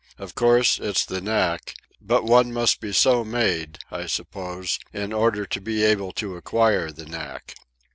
Of course, it's the knack; but one must be so made, I suppose, in order to be able to acquire the knack.